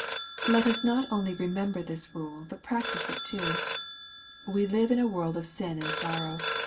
Let us not only remember this rule, but practise it too. We live in a world of sin and sorrow.